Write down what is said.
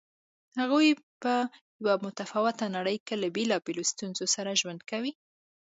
هغوی په یوه متفاوته نړۍ کې له بېلابېلو ستونزو سره ژوند کوي.